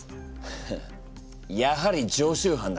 フッやはり常習犯だな。